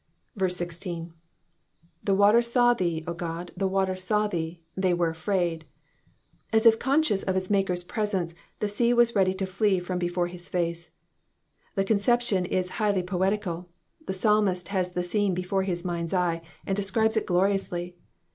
Digitized by VjOOQIC 416 EXPOSITIONS OF THE PSALMS. 16. The waters saw theef 0 Qody the waters saw thee ; they were afraid,'*^ As if conscious of its Maker's presence, the sea was ready to flee from before his face. The conception is highly poetical, the psalmist has the scene before liis mind's eye, and aescribes it gloriously.